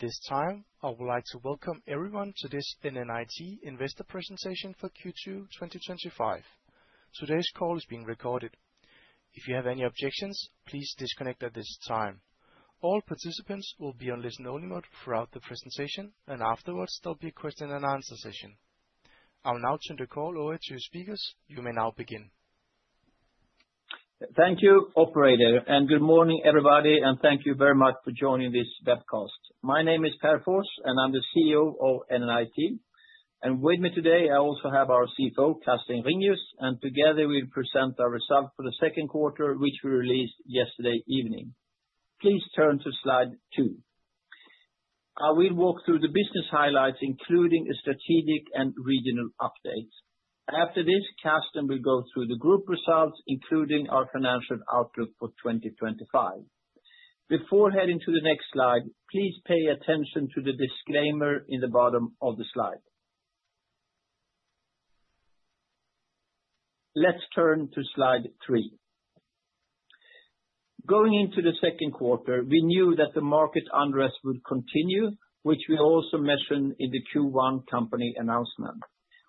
At this time, I would like to welcome everyone to this NNIT investor presentation for Q2 2025. Today's call is being recorded. If you have any objections, please disconnect at this time. All participants will be on listen-only mode throughout the presentation, and afterwards, there'll be a question-and-answer session. I will now turn the call over to your speakers. You may now begin. Thank you, Operator, and good morning, everybody, and thank you very much for joining this webcast. My name is Pär Fors, and I'm the CEO of NNIT, and with me today, I also have our CFO, Carsten Ringius, and together we'll present our result for the second quarter, which we released yesterday evening. Please turn to slide two. I will walk through the business highlights, including a strategic and regional update. After this, Carsten will go through the group results, including our financial outlook for 2025. Before heading to the next slide, please pay attention to the disclaimer in the bottom of the slide. Let's turn to slide three. Going into the second quarter, we knew that the market unrest would continue, which we also mentioned in the Q1 company announcement.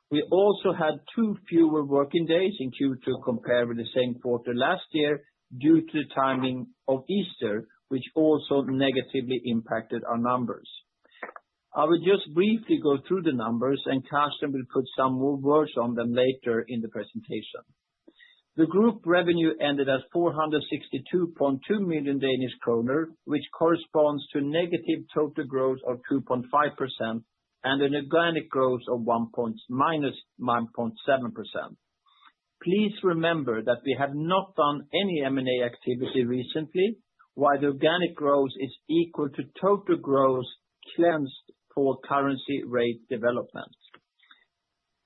We also had two fewer working days in Q2 compared with the same quarter last year due to the timing of Easter, which also negatively impacted our numbers. I will just briefly go through the numbers, and Carsten will put some more words on them later in the presentation. The group revenue ended at 462.2 million Danish kroner, which corresponds to a negative total growth of 2.5% and an organic growth of [-] 1.7%. Please remember that we have not done any M&A activity recently, while the organic growth is equal to total growth cleansed for currency rate development.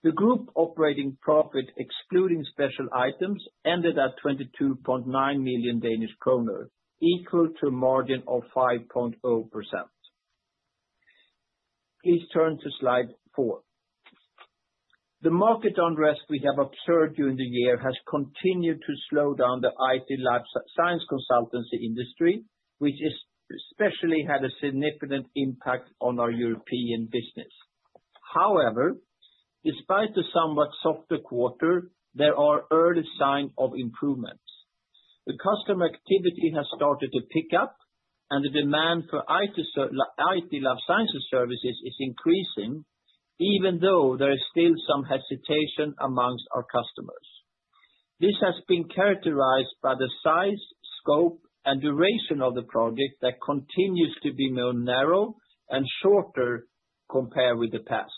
The group operating profit, excluding special items, ended at 22.9 million Danish kroner, equal to a margin of 5.0%. Please turn to slide four. The market unrest we have observed during the year has continued to slow down the IT Life Science consultancy industry, which especially had a significant impact on our European business. However, despite the somewhat softer quarter, there are early signs of improvements. The customer activity has started to pick up, and the demand for IT Life Sciences services is increasing, even though there is still some hesitation among our customers. This has been characterized by the size, scope, and duration of the project that continues to be more narrow and shorter compared with the past.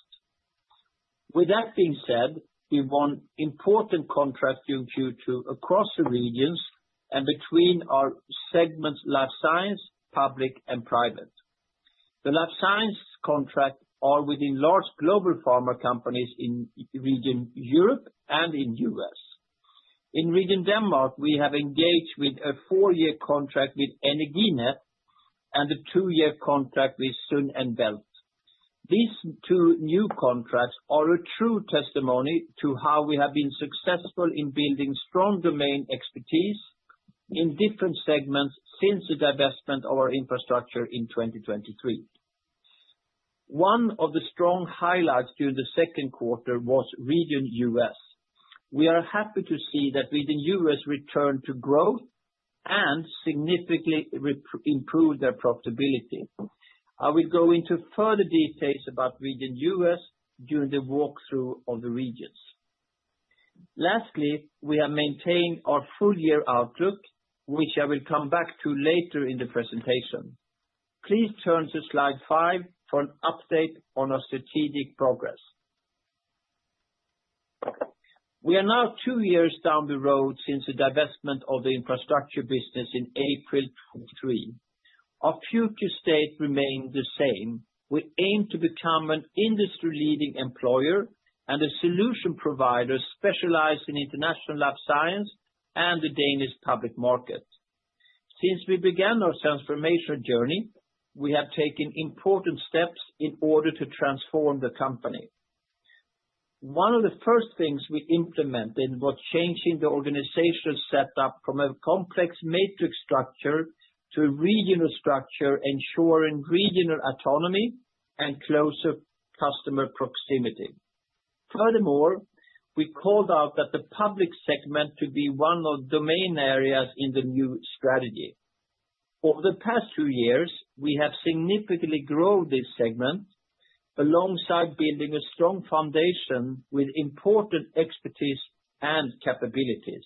With that being said, we won important contracts across the regions and between our segments, Life Science, Public, and Private. The Life Science contracts are within large global pharma companies in Region Europe and in the U.S. In Region Denmark, we have engaged with a four-year contract with Energinet and a two-year contract with Sund & Bælt. These two new contracts are a true testimony to how we have been successful in building strong domain expertise in different segments since the divestment of our infrastructure in 2023. One of the strong highlights during the second quarter was Region U.S. We are happy to see that Region U.S. returned to growth and significantly improved their profitability. I will go into further details about Region U.S. during the walkthrough of the regions. Lastly, we have maintained our full-year outlook, which I will come back to later in the presentation. Please turn to slide five for an update on our strategic progress. We are now two years down the road since the divestment of the infrastructure business in April 2023. Our future state remains the same. We aim to become an industry-leading employer and a solution provider specialized in international life science and the Danish public market. Since we began our transformation journey, we have taken important steps in order to transform the company. One of the first things we implemented was changing the organization setup from a complex matrix structure to a regional structure, ensuring regional autonomy and closer customer proximity. Furthermore, we called out that the public segment should be one of the domain areas in the new strategy. Over the past two years, we have significantly grown this segment alongside building a strong foundation with important expertise and capabilities.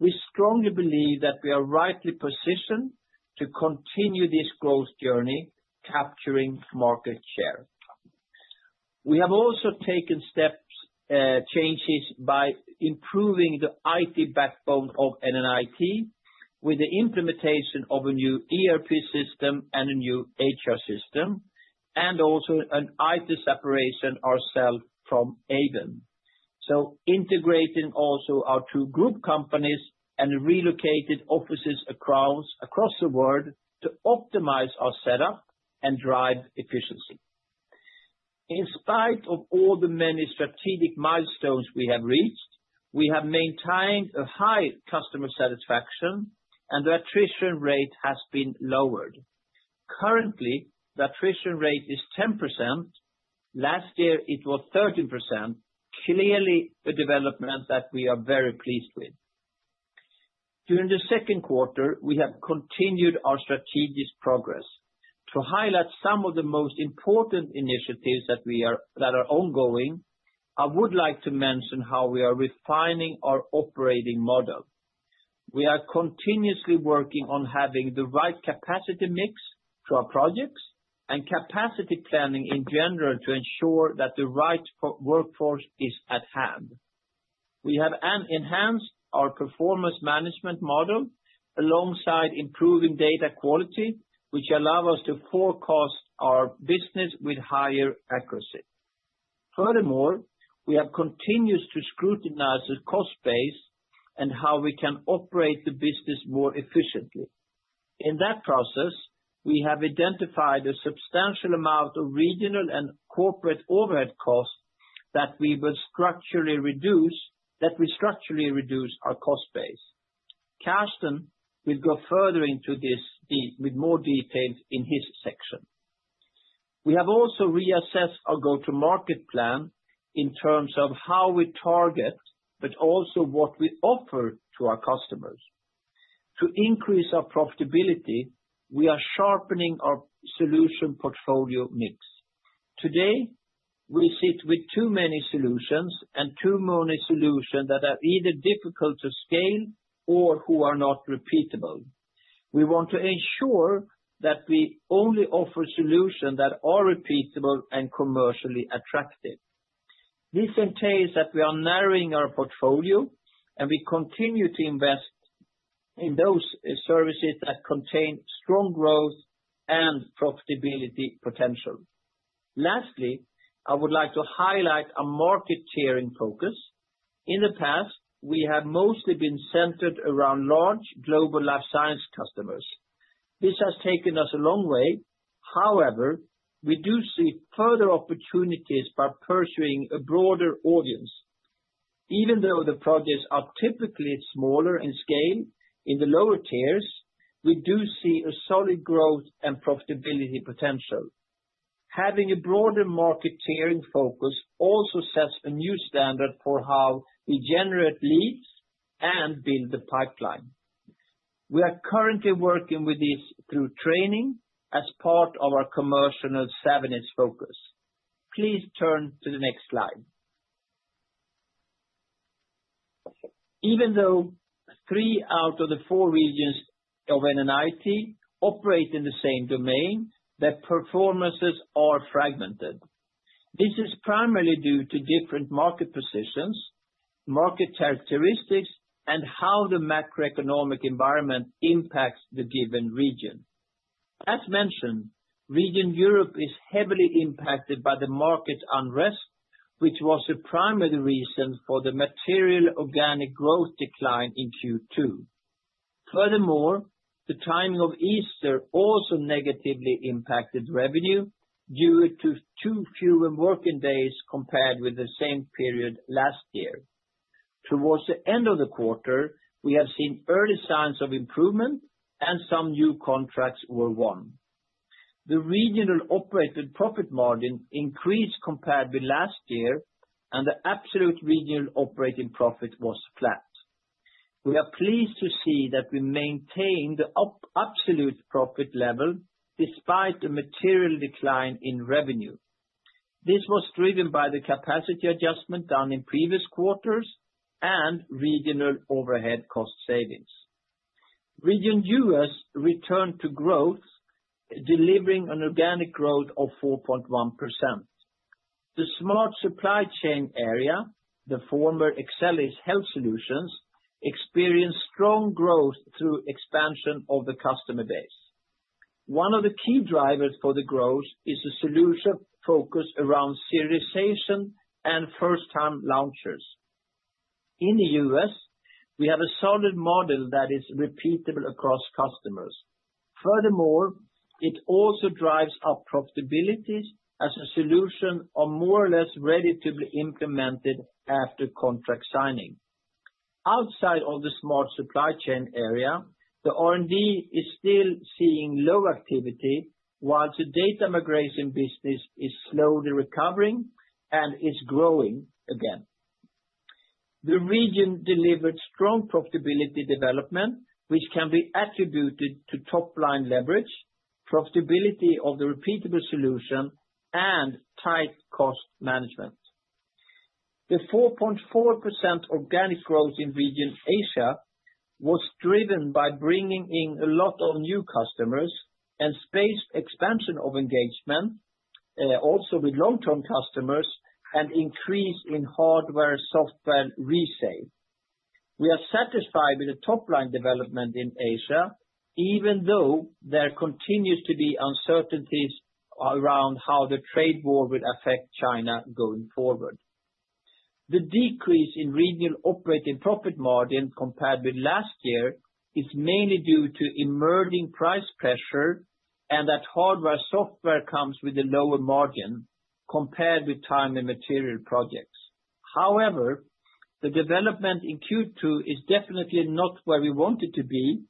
We strongly believe that we are rightly positioned to continue this growth journey, capturing market share. We have also taken steps, changes by improving the IT backbone of NNIT with the implementation of a new ERP system and a new HR system, and also an IT separation ourselves from Aeven, so integrating also our two group companies and relocated offices across the world to optimize our setup and drive efficiency. In spite of all the many strategic milestones we have reached, we have maintained a high customer satisfaction, and the attrition rate has been lowered. Currently, the attrition rate is 10%. Last year, it was 13%, clearly a development that we are very pleased with. During the second quarter, we have continued our strategic progress. To highlight some of the most important initiatives that are ongoing, I would like to mention how we are refining our operating model. We are continuously working on having the right capacity mix for our projects and capacity planning in general to ensure that the right workforce is at hand. We have enhanced our performance management model alongside improving data quality, which allows us to forecast our business with higher accuracy. Furthermore, we have continued to scrutinize the cost base and how we can operate the business more efficiently. In that process, we have identified a substantial amount of regional and corporate overhead costs that we will structurally reduce our cost base. Carsten will go further into this with more details in his section. We have also reassessed our go-to-market plan in terms of how we target, but also what we offer to our customers. To increase our profitability, we are sharpening our solution portfolio mix. Today, we sit with too many solutions and too many solutions that are either difficult to scale or who are not repeatable. We want to ensure that we only offer solutions that are repeatable and commercially attractive. This entails that we are narrowing our portfolio, and we continue to invest in those services that contain strong growth and profitability potential. Lastly, I would like to highlight our market share focus. In the past, we have mostly been centered around large global life science customers. This has taken us a long way. However, we do see further opportunities by pursuing a broader audience. Even though the projects are typically smaller in scale in the lower tiers, we do see a solid growth and profitability potential. Having a broader market share focus also sets a new standard for how we generate leads and build the pipeline. We are currently working with this through training as part of our commercial and savviness focus. Please turn to the next slide. Even though three out of the four regions of NNIT operate in the same domain, their performances are fragmented. This is primarily due to different market positions, market characteristics, and how the macroeconomic environment impacts the given region. As mentioned, Region Europe is heavily impacted by the market unrest, which was the primary reason for the material organic growth decline in Q2. Furthermore, the timing of Easter also negatively impacted revenue due to too few working days compared with the same period last year. Towards the end of the quarter, we have seen early signs of improvement, and some new contracts were won. The regional operating profit margin increased compared with last year, and the absolute regional operating profit was flat. We are pleased to see that we maintained the absolute profit level despite the material decline in revenue. This was driven by the capacity adjustment done in previous quarters and regional overhead cost savings. Region U.S. returned to growth, delivering an organic growth of 4.1%. The Smart Supply Chain area, the former Excellis Health Solutions, experienced strong growth through expansion of the customer base. One of the key drivers for the growth is the solution focus around serialization and first-time launches. In the U.S., we have a solid model that is repeatable across customers. Furthermore, it also drives our profitability as a solution or more or less ready to be implemented after contract signing. Outside of the Smart Supply Chain area, the R&D is still seeing low activity, while the data migration business is slowly recovering and is growing again. The region delivered strong profitability development, which can be attributed to top-line leverage, profitability of the repeatable solution, and tight cost management. The 4.4% organic growth in Region Asia was driven by bringing in a lot of new customers and space expansion of engagement, also with long-term customers, and increase in hardware software resale. We are satisfied with the top-line development in Asia, even though there continues to be uncertainties around how the trade war would affect China going forward. The decrease in regional operating profit margin compared with last year is mainly due to emerging price pressure and that hardware software comes with a lower margin compared with time and material projects. However, the development in Q2 is definitely not where we wanted to be,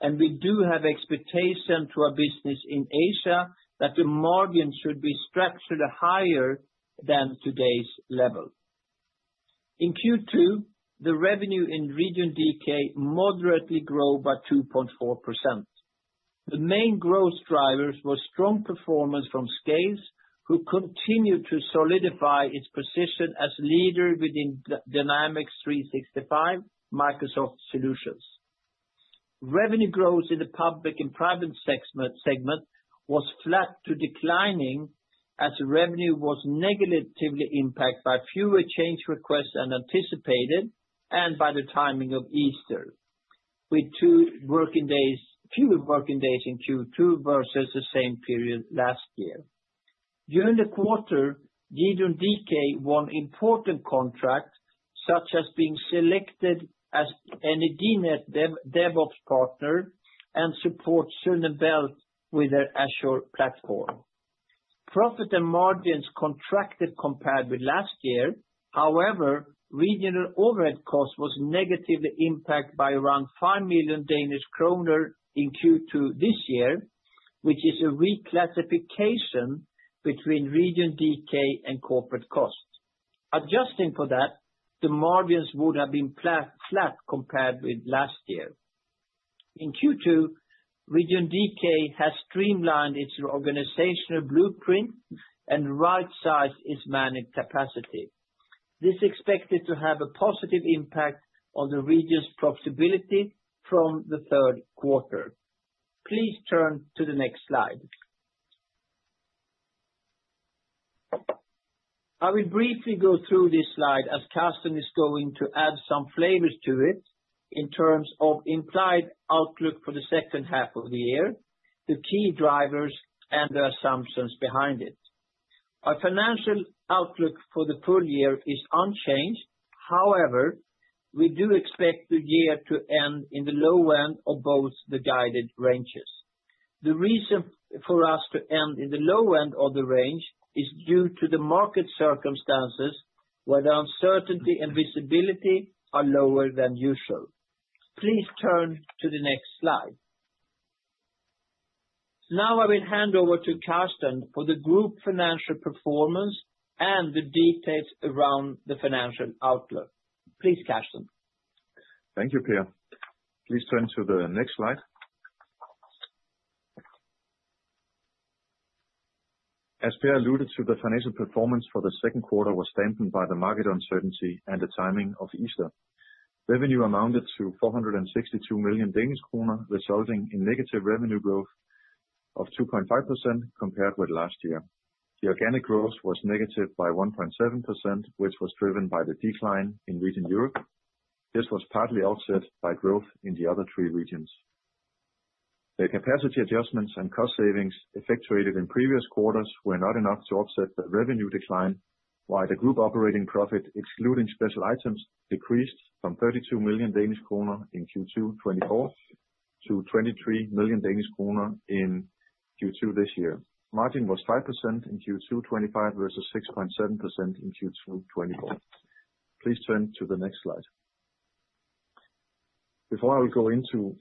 and we do have expectations to our business in Asia that the margin should be structured higher than today's level. In Q2, the revenue in Region DK moderately grew by 2.4%. The main growth drivers were strong performance from Scales, who continued to solidify its position as leader within Dynamics 365 Microsoft Solutions. Revenue growth in the public and private segment was flat to declining as revenue was negatively impacted by fewer change requests than anticipated and by the timing of Easter, with two fewer working days in Q2 versus the same period last year. During the quarter, Region DK won important contracts such as being selected as Energinet DevOps partner and support Sund & Bælt with their Azure platform. Profit and margins contracted compared with last year. However, regional overhead cost was negatively impacted by around 5 million Danish kroner in Q2 this year, which is a reclassification between Region DK and corporate cost. Adjusting for that, the margins would have been flat compared with last year. In Q2, Region DK has streamlined its organizational blueprint and right-sized its managed capacity. This is expected to have a positive impact on the region's profitability from the third quarter. Please turn to the next slide. I will briefly go through this slide as Carsten is going to add some flavors to it in terms of implied outlook for the second half of the year, the key drivers, and the assumptions behind it. Our financial outlook for the full year is unchanged. However, we do expect the year to end in the low end of both the guided ranges. The reason for us to end in the low end of the range is due to the market circumstances, where the uncertainty and visibility are lower than usual. Please turn to the next slide. Now I will hand over to Carsten for the group financial performance and the details around the financial outlook. Please, Carsten. Thank you, Pär. Please turn to the next slide. As Pär alluded to, the financial performance for the second quarter was strengthened by the market uncertainty and the timing of Easter. Revenue amounted to 462 million Danish kroner, resulting in negative revenue growth of 2.5% compared with last year. The organic growth was negative by 1.7%, which was driven by the decline in Region Europe. This was partly offset by growth in the other three regions. The capacity adjustments and cost savings effectuated in previous quarters were not enough to offset the revenue decline, while the group operating profit, excluding special items, decreased from 32 million Danish kroner in Q2 2024 to 23 million Danish kroner in Q2 this year. Margin was 5% in Q2 2025 versus 6.7% in Q2 2024. Please turn to the next slide. Before I will go into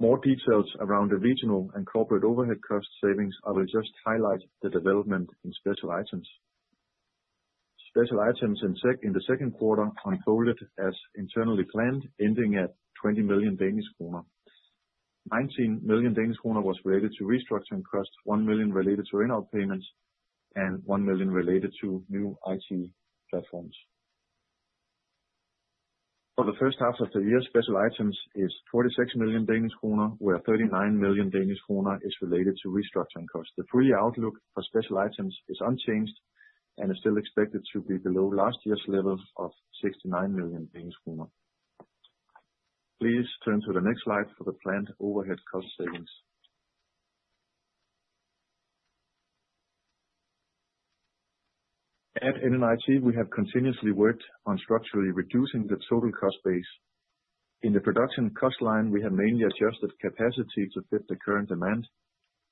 more details around the regional and corporate overhead cost savings, I will just highlight the development in special items. Special items in the second quarter unfolded as internally planned, ending at 20 million Danish kroner. 19 million Danish kroner was related to restructuring costs, 1 million related to earn-out payments, and 1 million related to new IT platforms. For the first half of the year, special items is 46 million Danish kroner, where 39 million Danish kroner is related to restructuring costs. The full-year outlook for special items is unchanged and is still expected to be below last year's level of 69 million Danish kroner. Please turn to the next slide for the planned overhead cost savings. At NNIT, we have continuously worked on structurally reducing the total cost base. In the production cost line, we have mainly adjusted capacity to fit the current demand.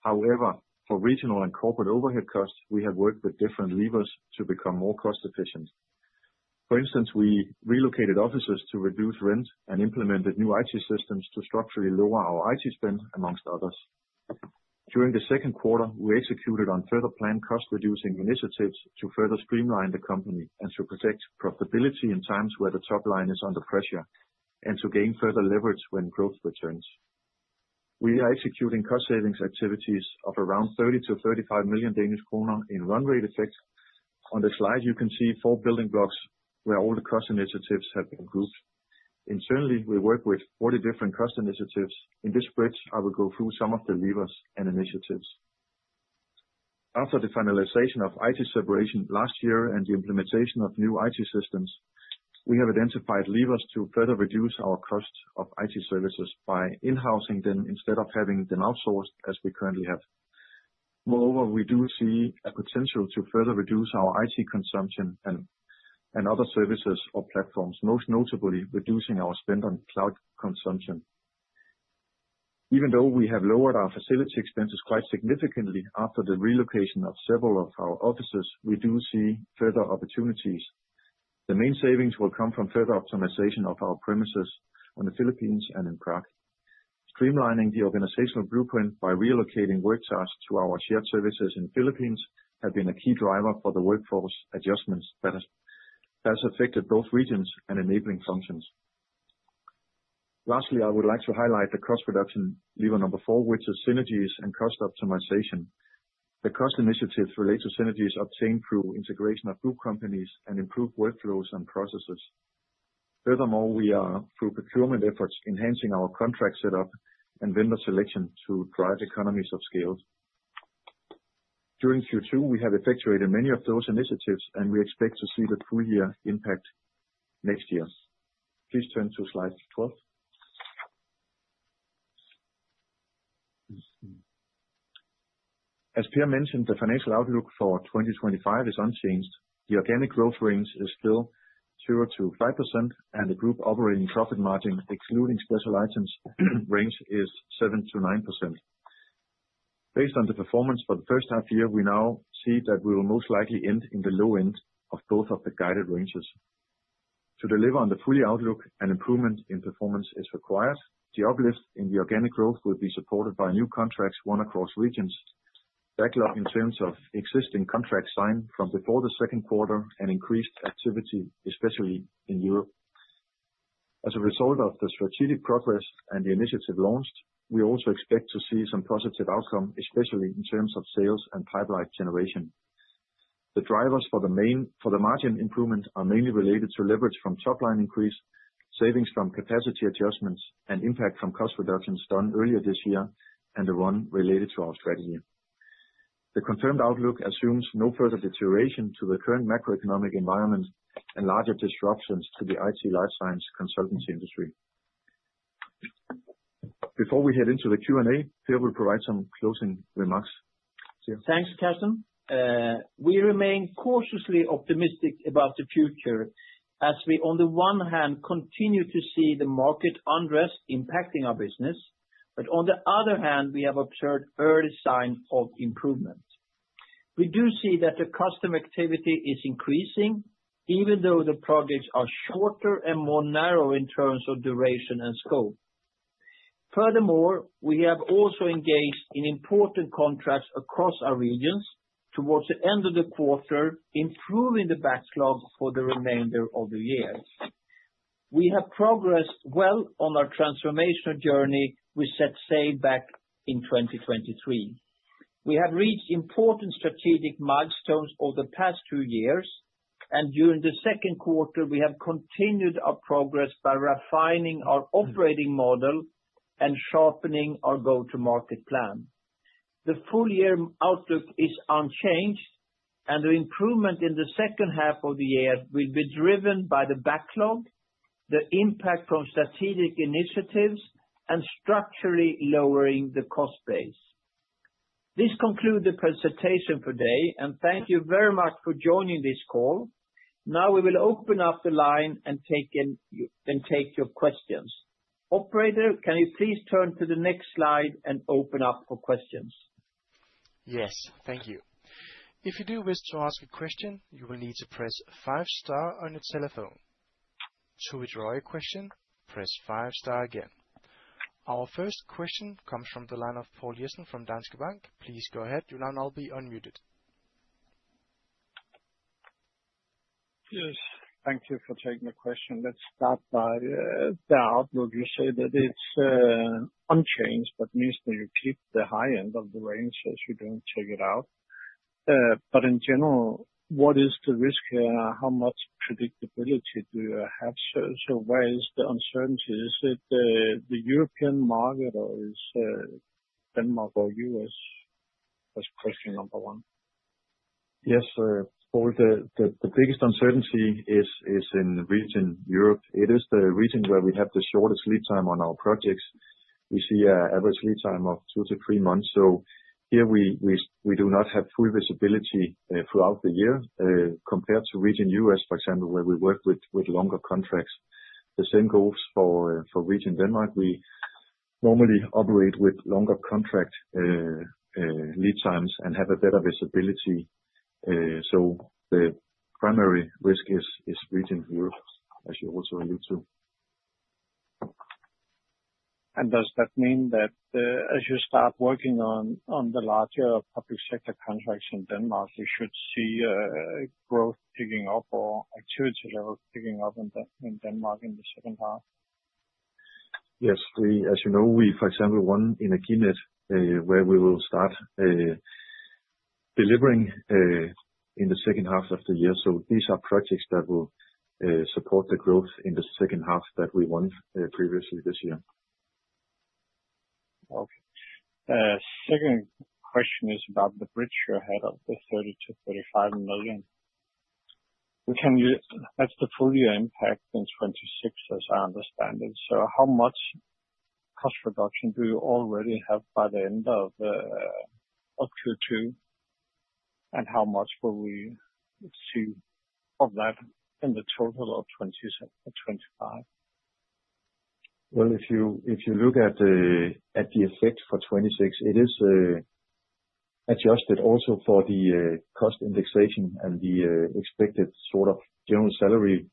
However, for regional and corporate overhead costs, we have worked with different levers to become more cost-efficient. For instance, we relocated offices to reduce rent and implemented new IT systems to structurally lower our IT spend, amongst others. During the second quarter, we executed on further planned cost-reducing initiatives to further streamline the company and to protect profitability in times where the top line is under pressure and to gain further leverage when growth returns. We are executing cost savings activities of around 30 million-35 million Danish kroner in run rate effect. On the slide, you can see four building blocks where all the cost initiatives have been grouped. Internally, we work with 40 different cost initiatives. In this spread, I will go through some of the levers and initiatives. After the finalization of IT separation last year and the implementation of new IT systems, we have identified levers to further reduce our cost of IT services by in-housing them instead of having them outsourced as we currently have. Moreover, we do see a potential to further reduce our IT consumption and other services or platforms, most notably reducing our spend on cloud consumption. Even though we have lowered our facility expenses quite significantly after the relocation of several of our offices, we do see further opportunities. The main savings will come from further optimization of our premises on the Philippines and in Prague. Streamlining the organizational blueprint by relocating work tasks to our shared services in the Philippines has been a key driver for the workforce adjustments that has affected both regions and enabling functions. Lastly, I would like to highlight the cost reduction lever number four, which is synergies and cost optimization. The cost initiatives relate to synergies obtained through integration of group companies and improved workflows and processes. Furthermore, we are through procurement efforts enhancing our contract setup and vendor selection to drive economies of scale. During Q2, we have effectuated many of those initiatives, and we expect to see the full year impact next year. Please turn to slide 12. As Pär mentioned, the financial outlook for 2025 is unchanged. The organic growth range is still 0%-5%, and the group operating profit margin, excluding special items range, is 7%-9%. Based on the performance for the first half year, we now see that we will most likely end in the low end of both of the guided ranges. To deliver on the full year outlook, an improvement in performance is required. The uplift in the organic growth will be supported by new contracts won across regions, backlog in terms of existing contracts signed from before the second quarter, and increased activity, especially in Europe. As a result of the strategic progress and the initiative launched, we also expect to see some positive outcome, especially in terms of sales and pipeline generation. The drivers for the margin improvement are mainly related to leverage from top-line increase, savings from capacity adjustments, and impact from cost reductions done earlier this year and the one related to our strategy. The confirmed outlook assumes no further deterioration to the current macroeconomic environment and larger disruptions to the IT life science consultancy industry. Before we head into the Q&A, Pär will provide some closing remarks. Thanks, Carsten. We remain cautiously optimistic about the future as we, on the one hand, continue to see the market unrest impacting our business, but on the other hand, we have observed early signs of improvement. We do see that the customer activity is increasing, even though the projects are shorter and more narrow in terms of duration and scope. Furthermore, we have also engaged in important contracts across our regions towards the end of the quarter, improving the backlog for the remainder of the year. We have progressed well on our transformational journey we set sail back in 2023. We have reached important strategic milestones over the past two years, and during the second quarter, we have continued our progress by refining our operating model and sharpening our go-to-market plan. The full year outlook is unchanged, and the improvement in the second half of the year will be driven by the backlog, the impact from strategic initiatives, and structurally lowering the cost base. This concludes the presentation for today, and thank you very much for joining this call. Now we will open up the line and take your questions. Operator, can you please turn to the next slide and open up for questions? Yes, thank you. If you do wish to ask a question, you will need to press five-star on your telephone. To withdraw your question, press five-star again. Our first question comes from the line of Poul Jessen from Danske Bank. Please go ahead. Your line will be unmuted. Yes, thank you for taking the question. Let's start by the outlook. You say that it's unchanged, but means that you keep the high end of the range as you don't take it out. But in general, what is the risk here? How much predictability do you have? So where is the uncertainty? Is it the European market or is it Denmark or U.S.? That's question number one. Yes, Poul, the biggest uncertainty is in Region Europe. It is the region where we have the shortest lead time on our projects. We see an average lead time of two to three months. So here, we do not have full visibility throughout the year compared to Region U.S. for example, where we work with longer contracts. The same goes for Region Denmark. We normally operate with longer contract lead times and have a better visibility. So the primary risk is Region Europe, as you also alluded to. Does that mean that as you start working on the larger public sector contracts in Denmark, you should see growth picking up or activity levels picking up in Denmark in the second half? Yes, as you know, we, for example, won in Energinet, where we will start delivering in the second half of the year. So these are projects that will support the growth in the second half that we won previously this year. Okay. Second question is about the bridge you had of the 30 million-35 million. That's the full year impact in 2026, as I understand it. So how much cost reduction do you already have by the end of Q2, and how much will we see of that in the total of 2027 to 2025? If you look at the effect for 2026, it is adjusted also for the cost indexation and the expected sort of general salary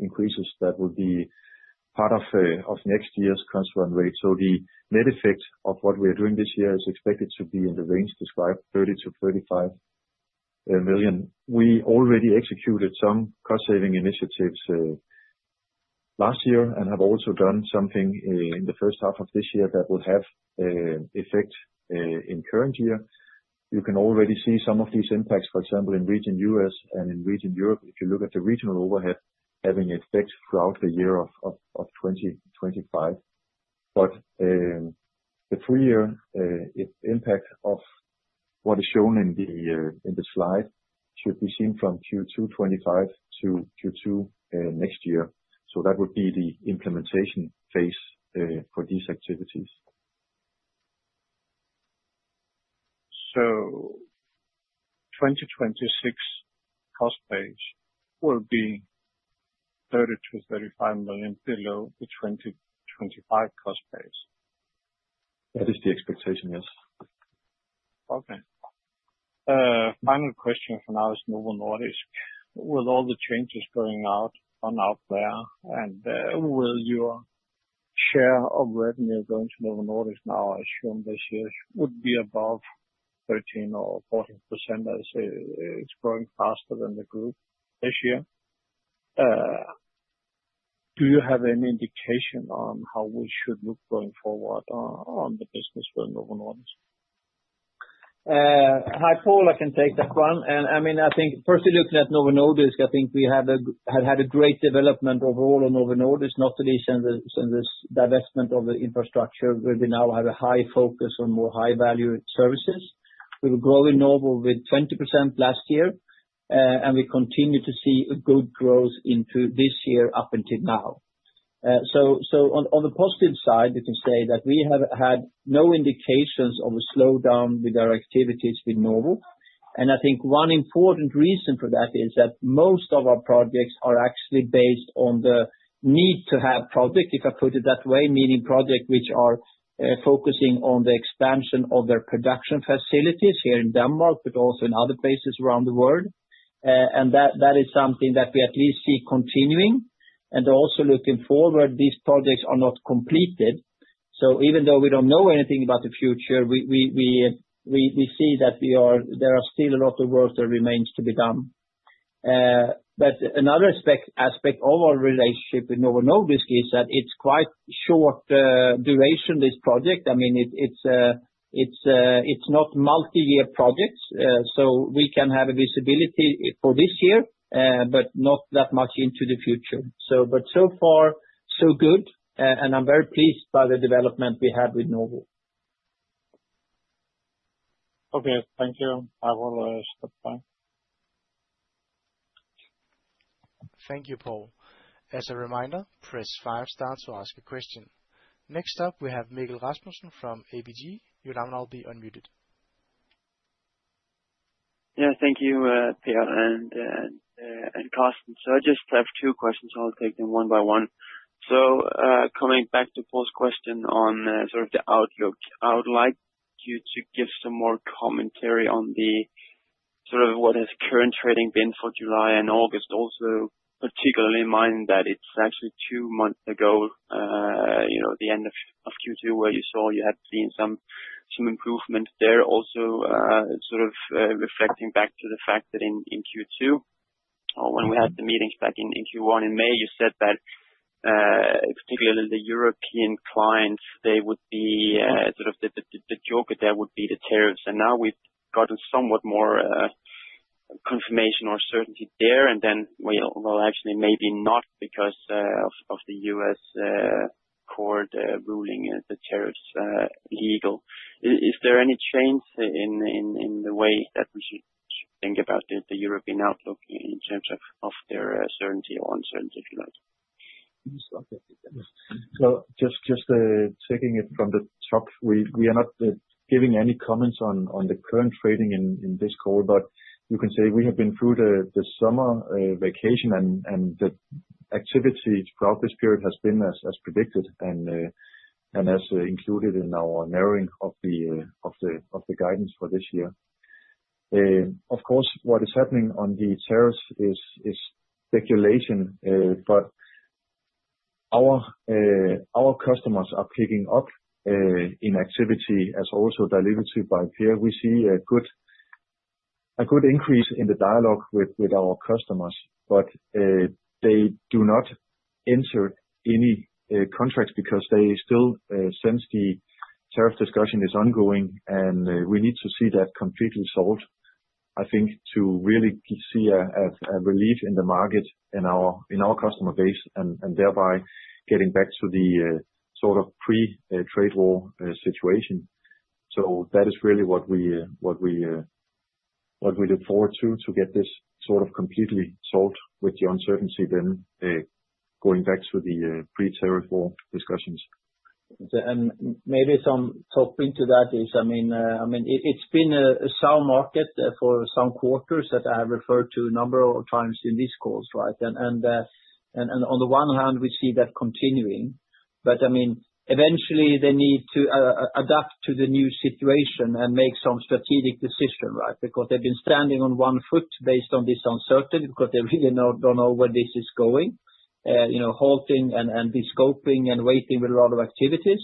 increases that will be part of next year's transfer rate. So the net effect of what we are doing this year is expected to be in the range described, 30 million-35 million. We already executed some cost-saving initiatives last year and have also done something in the first half of this year that will have effect in current year. You can already see some of these impacts, for example, in Region U.S. and in Region Europe. If you look at the regional overhead, having effect throughout the year of 2025. But the full year impact of what is shown in the slide should be seen from Q2 2025 to Q2 next year. So that would be the implementation phase for these activities. So 2026 cost base will be 30 million-35 million below the 2025 cost base? That is the expectation, yes. Okay. Final question for now is Novo Nordisk. With all the changes going out there, and will your share of revenue going to Novo Nordisk now, assumed this year, would be above 13% or 14% as it's growing faster than the group this year? Do you have any indication on how we should look going forward on the business with Novo Nordisk? Hi, Poul. I can take that one. And I mean, I think, firstly, looking at Novo Nordisk, I think we had a great development overall on Novo Nordisk, not least in this divestment of the infrastructure. We now have a high focus on more high-value services. We were growing Novo with 20% last year, and we continue to see good growth into this year up until now. So on the positive side, you can say that we have had no indications of a slowdown with our activities with Novo. And I think one important reason for that is that most of our projects are actually based on the need-to-have project, if I put it that way, meaning projects which are focusing on the expansion of their production facilities here in Denmark, but also in other places around the world. And that is something that we at least see continuing. And also looking forward, these projects are not completed. So even though we don't know anything about the future, we see that there are still a lot of work that remains to be done. But another aspect of our relationship with Novo Nordisk is that it's quite short duration, this project. I mean, it's not multi-year projects. So we can have visibility for this year, but not that much into the future. But so far, so good, and I'm very pleased by the development we had with Novo. Okay, thank you. I will step back. Thank you, Poul. As a reminder, press five-star to ask a question. Next up, we have Mikkel Rasmussen from ABG. Your line will be unmuted. Yeah, thank you, Pierre and Carsten. So I just have two questions. I'll take them one by one. So coming back to Poul's question on sort of the outlook, I would like you to give some more commentary on sort of what has current trading been for July and August, also particularly in mind that it's actually two months ago, the end of Q2, where you saw you had seen some improvement there. Also, sort of reflecting back to the fact that in Q2, when we had the meetings back in Q1 in May, you said that particularly the European clients, they would be sort of the joker, there would be the tariffs. And now we've gotten somewhat more confirmation or certainty there. And then we'll actually maybe not because of the U.S. court ruling the tariffs legal. Is there any change in the way that we should think about the European outlook in terms of their certainty or uncertainty, if you like? So just taking it from the top, we are not giving any comments on the current trading in this call, but you can say we have been through the summer vacation, and the activity throughout this period has been as predicted and as included in our narrowing of the guidance for this year. Of course, what is happening on the tariffs is speculation, but our customers are picking up in activity as also alluded to by Pär. We see a good increase in the dialogue with our customers, but they do not enter any contracts because they still sense the tariff discussion is ongoing, and we need to see that completely solved, I think, to really see a relief in the market, in our customer base, and thereby getting back to the sort of pre-trade war situation. So that is really what we look forward to, to get this sort of completely solved with the uncertainty, then going back to the pre-tariff war discussions. And maybe some tie into that is, I mean, it's been a slow market for some quarters that I have referred to a number of times in these calls, right? And on the one hand, we see that continuing, but I mean, eventually, they need to adapt to the new situation and make some strategic decision, right? Because they've been standing on one foot based on this uncertainty because they really don't know where this is going, halting and [postponing] and waiting with a lot of activities.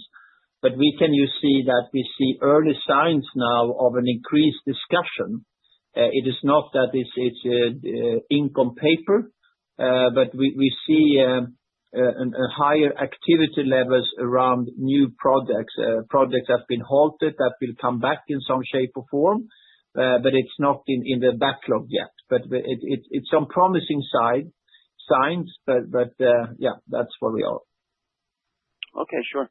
But we can see early signs now of an increased discussion. It is not that it's ink on paper, but we see higher activity levels around new projects. Projects have been halted that will come back in some shape or form, but it's not in the backlog yet, but it's some promising signs, but yeah, that's where we are. Okay, sure.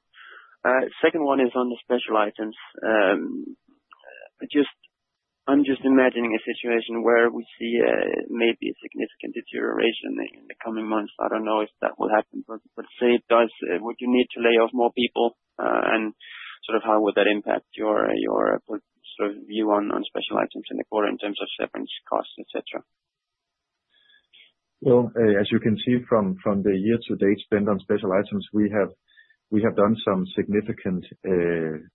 Second one is on the special items. I'm just imagining a situation where we see maybe a significant deterioration in the coming months. I don't know if that will happen, but say it does, would you need to lay off more people? And sort of how would that impact your sort of view on special items in the quarter in terms of severance costs, etc.? Well, as you can see from the year-to-date spend on special items, we have done some significant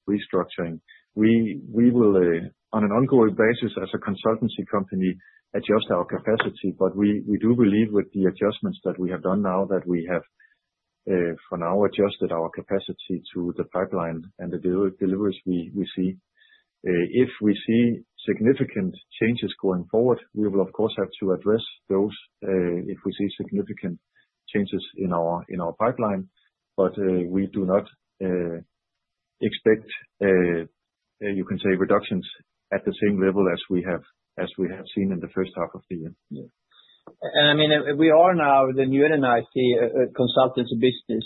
restructuring. We will, on an ongoing basis, as a consultancy company, adjust our capacity, but we do believe with the adjustments that we have done now that we have for now adjusted our capacity to the pipeline and the deliveries we see. If we see significant changes going forward, we will, of course, have to address those if we see significant changes in our pipeline. But we do not expect, you can say, reductions at the same level as we have seen in the first half of the year. I mean, we are now the new NNIT consultancy business,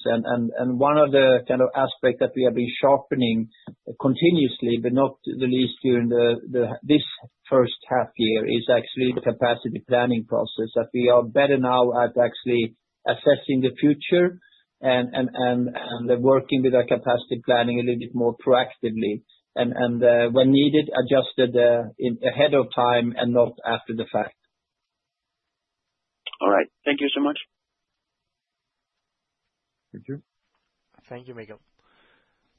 and one of the kind of aspects that we have been sharpening continuously, but not the least during this first half year, is actually the capacity planning process that we are better now at actually assessing the future and working with our capacity planning a little bit more proactively and, when needed, adjusted ahead of time and not after the fact. All right. Thank you so much. Thank you. Thank you, Mikkel.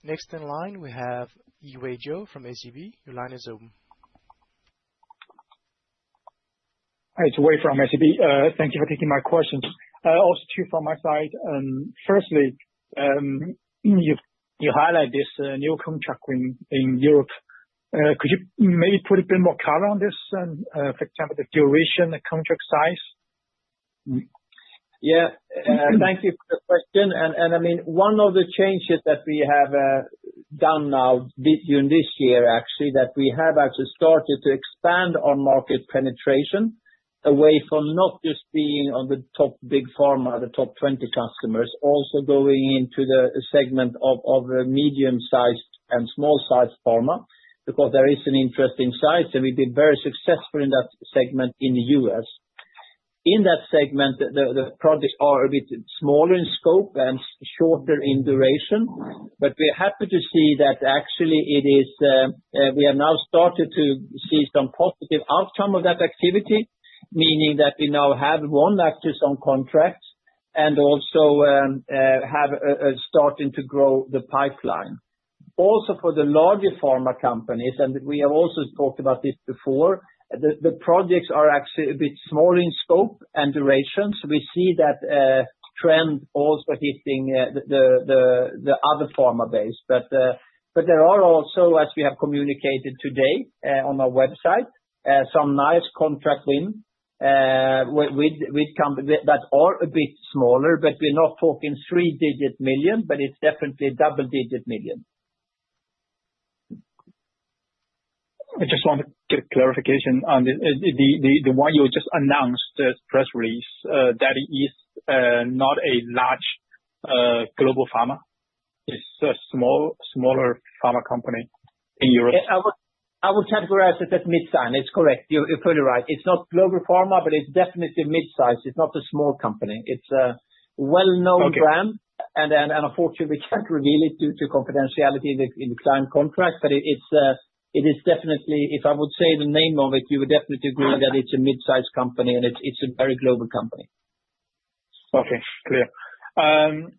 Next in line, we have Yiwei Zhou from SEB. Your line is open. Hi, it's Yiwei from SEB. Thank you for taking my questions. Also two from my side. Firstly, you highlight this new contract in Europe. Could you maybe put a bit more color on this, for example, the duration, the contract size? Yeah. Thank you for the question. I mean, one of the changes that we have done now in this year, actually, that we have actually started to expand our market penetration away from not just being on the top big pharma, the top 20 customers, also going into the segment of medium-sized and small-sized pharma because there is an interesting size, and we've been very successful in that segment in the U.S. In that segment, the projects are a bit smaller in scope and shorter in duration, but we're happy to see that actually we have now started to see some positive outcome of that activity, meaning that we now have won access to contracts and also have started to grow the pipeline. Also, for the larger pharma companies, and we have also talked about this before, the projects are actually a bit smaller in scope and duration. So we see that trend also hitting the other pharma base. But there are also, as we have communicated today on our website, some nice contract wins that are a bit smaller, but we're not talking three-digit million, but it's definitely double-digit million. I just want a quick clarification on the one you just announced, the press release. That is not a large global pharma. It's a smaller pharma company in Europe. I would categorize it as mid-size. It's correct. You're totally right. It's not global pharma, but it's definitely mid-size. It's not a small company. It's a well-known brand. And unfortunately, we can't reveal it due to confidentiality in the client contract, but it is definitely, if I would say the name of it, you would definitely agree that it's a mid-sized company and it's a very global company. Okay, clear. And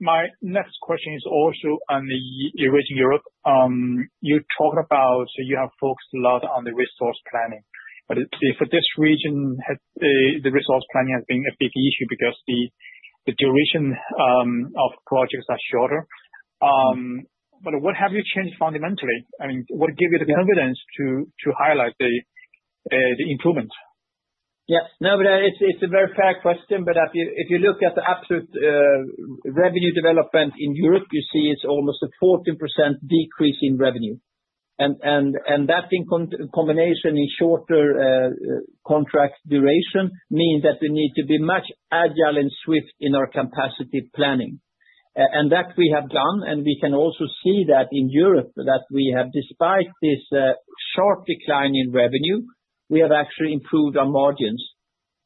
my next question is also on the Region Europe. You talked about you have focused a lot on the resource planning. But for this region, the resource planning has been a big issue because the duration of projects are shorter. But what have you changed fundamentally? I mean, what gave you the confidence to highlight the improvement? Yes. No, but it's a very fair question. But if you look at the absolute revenue development in Europe, you see it's almost a 14% decrease in revenue. And that, in combination with shorter contract duration, means that we need to be much agile and swift in our capacity planning. And that we have done, and we can also see that in Europe that we have, despite this sharp decline in revenue, we have actually improved our margins.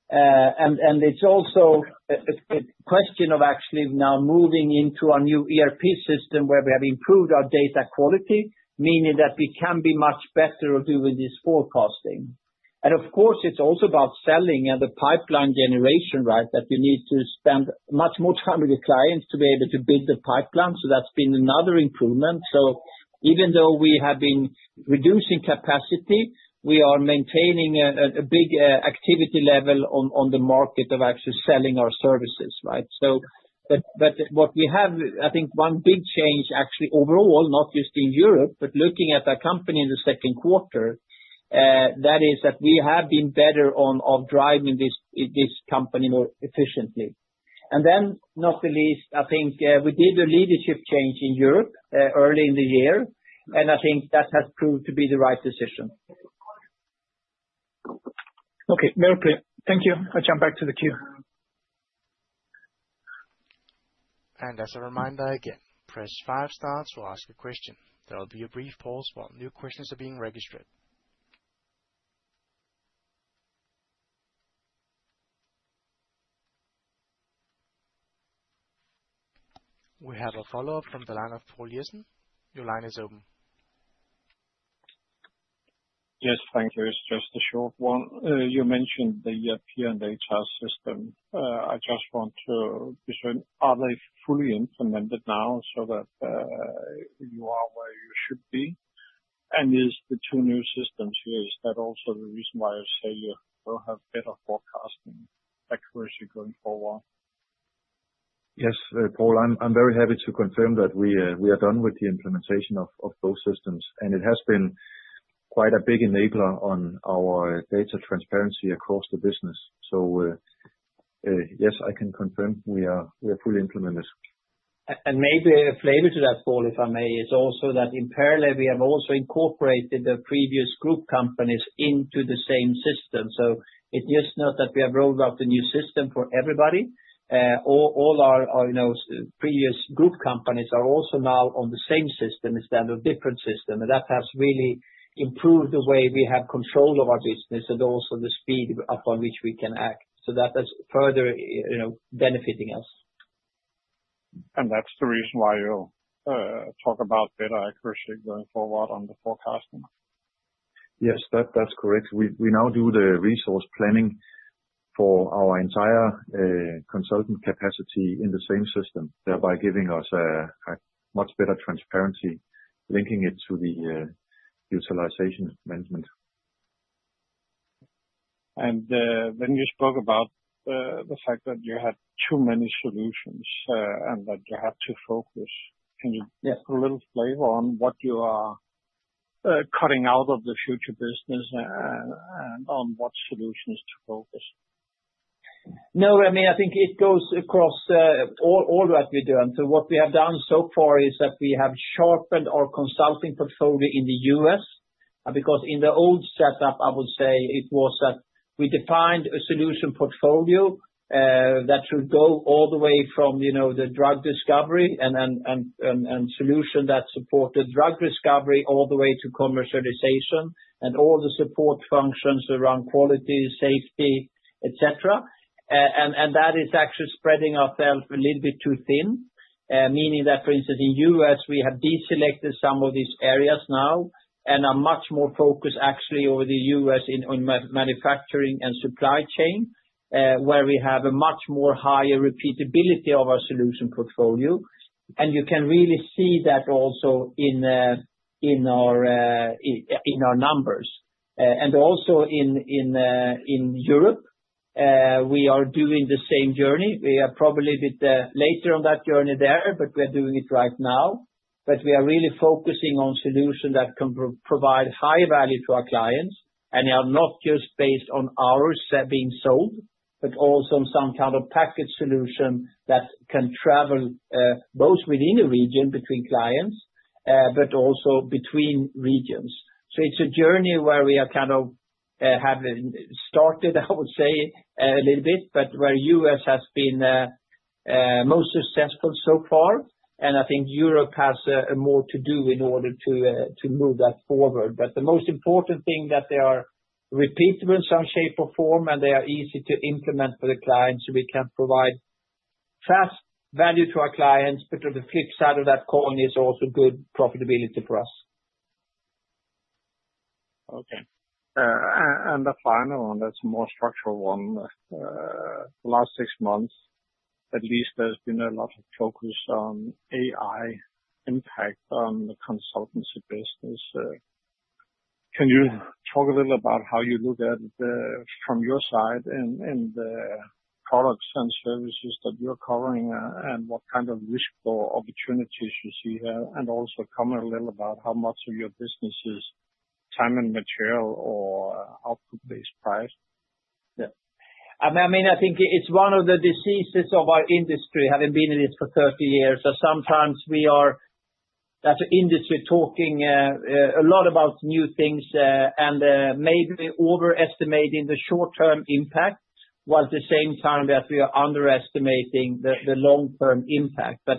And it's also a question of actually now moving into our new ERP system where we have improved our data quality, meaning that we can be much better at doing this forecasting. And of course, it's also about selling and the pipeline generation, right, that you need to spend much more time with the clients to be able to build the pipeline. So that's been another improvement. So even though we have been reducing capacity, we are maintaining a big activity level on the market of actually selling our services, right? But what we have, I think, one big change actually overall, not just in Europe, but looking at our company in the second quarter, that is that we have been better on driving this company more efficiently. And then not the least, I think we did a leadership change in Europe early in the year, and I think that has proved to be the right decision. Okay, very clear. Thank you. I'll jump back to the queue. And as a reminder again, press five-star to ask a question. There will be a brief pause while new questions are being registered. We have a follow-up from the line of Poul Jessen. Your line is open. Yes, thank you. It's just a short one. You mentioned the ERP and the HR system. I just want to be certain are they fully implemented now so that you are where you should be? And is the two new systems here, is that also the reason why I say you have better forecasting accuracy going forward? Yes, Poul, I'm very happy to confirm that we are done with the implementation of both systems, and it has been quite a big enabler on our data transparency across the business. So yes, I can confirm we are fully implemented. And maybe a flavor to that, Poul, if I may, is also that in parallel, we have also incorporated the previous group companies into the same system. So it's not just that we have rolled out the new system for everybody. All our previous group companies are also now on the same system instead of different systems. And that has really improved the way we have control of our business and also the speed upon which we can act. So that is further benefiting us. And that's the reason why you talk about better accuracy going forward on the forecasting? Yes, that's correct. We now do the resource planning for our entire consultant capacity in the same system, thereby giving us much better transparency, linking it to the utilization management. and when you spoke about the fact that you had too many solutions and that you have to focus, can you put a little flavor on what you are cutting out of the future business and on what solutions to focus? No, I mean, I think it goes across all that we've done, so what we have done so far is that we have sharpened our consulting portfolio in the U.S. because in the old setup, I would say it was that we defined a solution portfolio that should go all the way from the drug discovery and solution that supported drug discovery all the way to commercialization and all the support functions around quality, safety, etc. And that is actually spreading ourselves a little bit too thin, meaning that, for instance, in the U.S., we have deselected some of these areas now and are much more focused actually over the U.S. in manufacturing and supply chain where we have a much more higher repeatability of our solution portfolio. And you can really see that also in our numbers. And also in Europe, we are doing the same journey. We are probably a bit later on that journey there, but we are doing it right now. But we are really focusing on solutions that can provide high value to our clients. And they are not just based on hours being sold, but also on some kind of package solution that can travel both within the region between clients, but also between regions. So it's a journey where we have kind of started, I would say, a little bit, but where the U.S. has been most successful so far. And I think Europe has more to do in order to move that forward. But the most important thing that they are repeatable in some shape or form, and they are easy to implement for the clients. So we can provide fast value to our clients, but on the flip side of that coin is also good profitability for us. Okay, and the final one, that's a more structural one. The last six months, at least, there's been a lot of focus on AI impact on the consultancy business. Can you talk a little about how you look at it from your side and the products and services that you're covering and what kind of risk or opportunities you see here? And also, comment a little about how much of your business is time and material or output-based pricing. Yeah. I mean, I think it's one of the diseases of our industry, having been in this for 30 years. So sometimes we are as an industry talking a lot about new things and maybe overestimating the short-term impact while at the same time that we are underestimating the long-term impact. But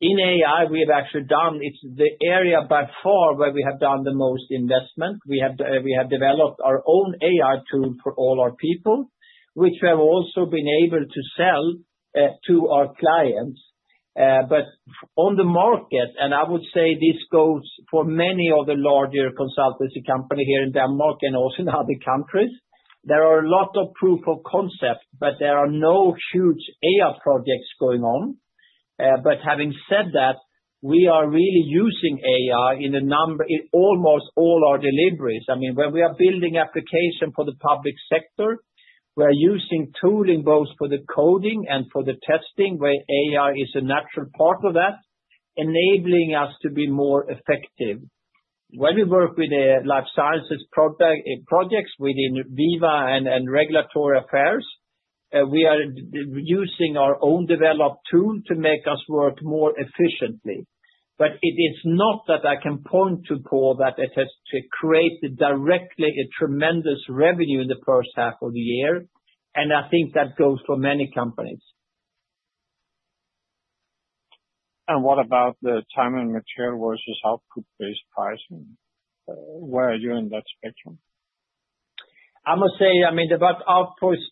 in AI, we have actually done. It's the area by far where we have done the most investment. We have developed our own AI tool for all our people, which we have also been able to sell to our clients. But on the market, and I would say this goes for many of the larger consultancy companies here in Denmark and also in other countries, there are a lot of proof of concept, but there are no huge AI projects going on. But having said that, we are really using AI in almost all our deliveries. I mean, when we are building applications for the public sector, we're using tooling both for the coding and for the testing where AI is a natural part of that, enabling us to be more effective. When we work with Life Sciences projects within Veeva and regulatory affairs, we are using our own developed tool to make us work more efficiently. But it is not that I can point to Poul that it has created directly a tremendous revenue in the first half of the year. And I think that goes for many companies. What about the time and material versus output-based pricing? Where are you in that spectrum? I must say, I mean, about output-based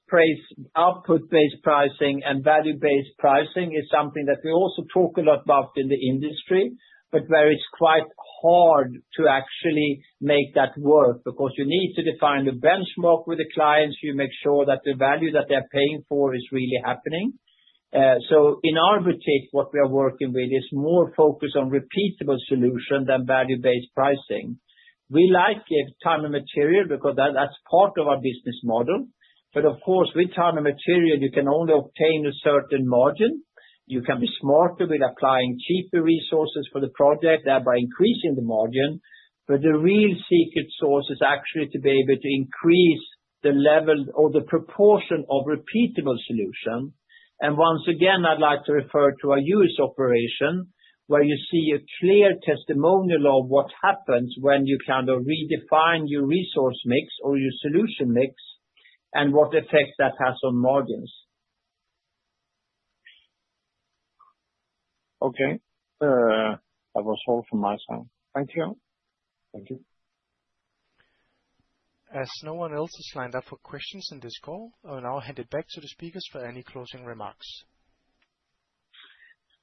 pricing and value-based pricing is something that we also talk a lot about in the industry, but where it's quite hard to actually make that work because you need to define the benchmark with the clients. You make sure that the value that they're paying for is really happening. So in our boutique, what we are working with is more focus on repeatable solutions than value-based pricing. We like time and material because that's part of our business model. But of course, with time and material, you can only obtain a certain margin. You can be smarter with applying cheaper resources for the project, thereby increasing the margin. But the real secret sauce is actually to be able to increase the level or the proportion of repeatable solution. And once again, I'd like to refer to our U.S. operation where you see a clear testimonial of what happens when you kind of redefine your resource mix or your solution mix and what effect that has on margins. Okay. That was all from my side. Thank you. Thank you. As no one else has lined up for questions in this call, I'll now hand it back to the speakers for any closing remarks.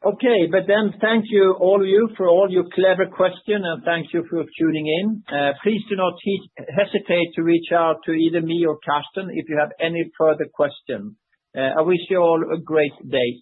Okay. But then thank you, all of you, for all your clever questions, and thank you for tuning in. Please do not hesitate to reach out to either me or Carsten if you have any further questions. I wish you all a great day.